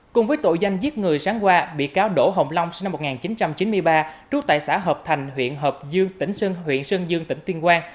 cùng với tội danh giết người sáng qua bị cáo đỗ hồng long sinh năm một nghìn chín trăm chín mươi ba trú tại xã hợp thành huyện hợp dương tỉnh sơn huyện sơn dương tỉnh tuyên quang